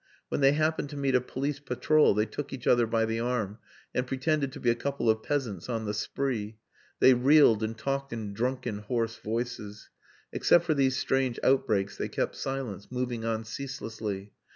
When they happened to meet a police patrol they took each other by the arm and pretended to be a couple of peasants on the spree. They reeled and talked in drunken hoarse voices. Except for these strange outbreaks they kept silence, moving on ceaselessly.